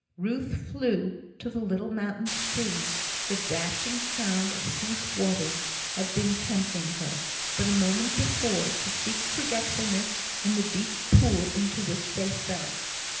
Ruth flew to the little mountain stream, the dashing sound of whose waters had been tempting her, but a moment before, to seek forgetfulness in the deep pool into which they fell.